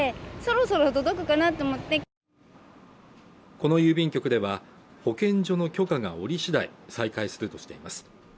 この郵便局では保健所の許可がおり次第再開するとしています